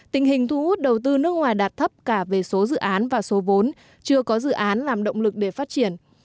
tình hình thu hút đầu tư nước ngoài đạt thấp cả về số dự án và số vốn chưa có dự án làm động lực để phát triển